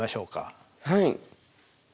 はい。